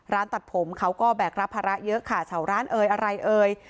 ร้านตัดผมเขาก็แบกรับภาระเยอะค่ะเฉาร้านเอ่ยอะไรเอ่ย